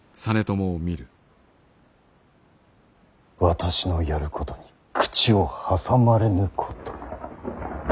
私のやることに口を挟まれぬこと。